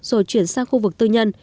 rồi chuyển sang khu vực tư nhân